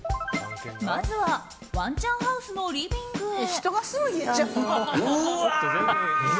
まずは、ワンちゃんハウスのリビングへ。